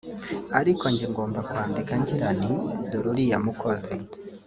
ariko jye ngomba kwandika ngira nti ’dore uriya mukozi